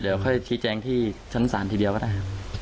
เดี๋ยวค่อยชี้แจงที่ชั้นศาลทีเดียวก็ได้ครับ